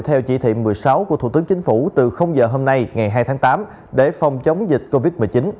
theo chỉ thị một mươi sáu của thủ tướng chính phủ từ giờ hôm nay ngày hai tháng tám để phòng chống dịch covid một mươi chín